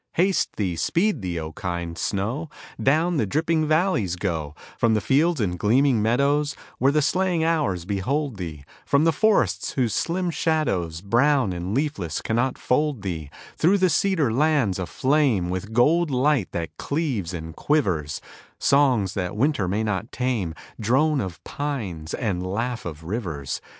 Haste thee, speed thee, O kind snow; Down the dripping valleys go, From the fields and gleaming meadows, Where the slaying hours behold thee, From the forests whose slim shadows, Brown and leafless cannot fold thee, Through the cedar lands aflame With gold light that cleaves and quivers, Songs that winter may not tame, Drone of pines and laugh of rivers.